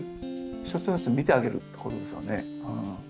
一つ一つを見てあげるってことですよね。